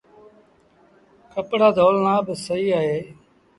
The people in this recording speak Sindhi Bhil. ڪپڙآ ڌوڻ لآ با سهيٚ اهي۔